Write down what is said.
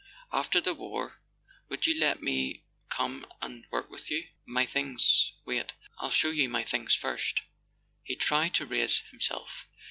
After the war, would you let me come and work with you ? My things ... wait. .. I'll show you my things first." He tried to raise himself.